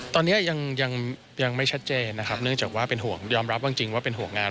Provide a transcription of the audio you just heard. ตอนนี้ยังยังไม่ชัดเจนนะครับเนื่องจากว่าเป็นห่วงยอมรับจริงว่าเป็นห่วงงาน